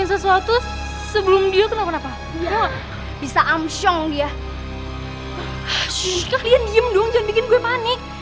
sssshhh kak lian diem dong jangan bikin gue panik